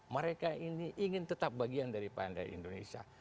mereka ini ingin tetap bagian daripada indonesia